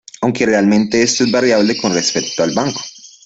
Aunque realmente esto es variable con respecto al banco.